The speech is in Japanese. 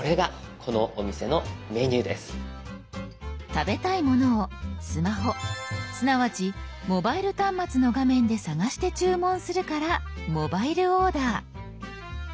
食べたいものをスマホすなわちモバイル端末の画面で探して注文するから「モバイルオーダー」。